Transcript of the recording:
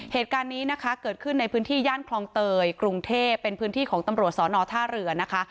เหตุการณ์นี้นะคะเกิดขึ้นในพื้นที่ย่านคลองเตยกรุงเทพเป็นพื้นที่ของตำรวจสอนอท่าเรือนะคะ